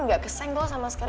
gak kesenggol sama sekali